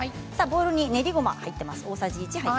ボウルに練りごまが入っています。